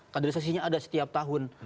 kadresasinya ada setiap tahun